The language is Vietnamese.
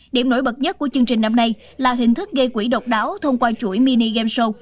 điểm nổi bật nhất của chương trình năm nay là hình thức gây quỹ độc đáo thông qua chuỗi mini game show